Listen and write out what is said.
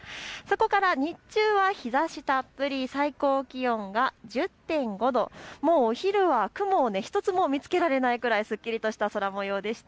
日中は日ざしたっぷりで、最高気温が１０．５度、お昼は雲１つ、見つけられないすっきりとした空もようでした。